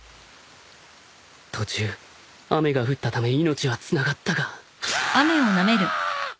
途中雨が降ったため命はつながったがはあああ！！